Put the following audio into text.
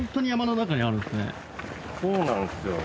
そうなんですよ。